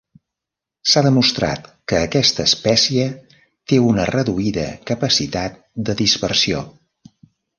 S'ha demostrat que aquesta espècie té una reduïda capacitat de dispersió.